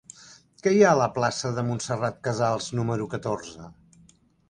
Què hi ha a la plaça de Montserrat Casals número catorze?